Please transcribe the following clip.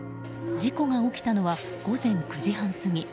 事故が起きたのは午前９時半過ぎ。